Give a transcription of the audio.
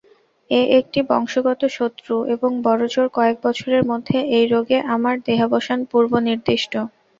এ একটি বংশগত শত্রু এবং বড়জোর কয়েক বছরের মধ্যে এই রোগে আমার দেহাবসান পূর্বনির্দিষ্ট।